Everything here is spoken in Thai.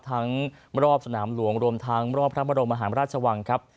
รอบสนามหลวงรวมทั้งรอบพระบรมมหาราชวังครับ